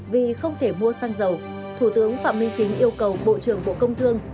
vì không thể mua xăng dầu thủ tướng phạm minh chính yêu cầu bộ trưởng bộ công thương